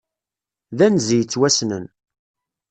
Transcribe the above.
D anzi yettwassnen.